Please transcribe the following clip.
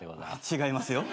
違いますよ。